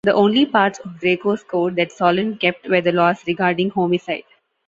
The only parts of Draco's code that Solon kept were the laws regarding homicide.